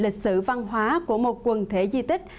lịch sử văn hóa của một quần thể di tích